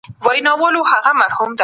ايا حضوري ټولګي د ګډ بحث فضا برابروي؟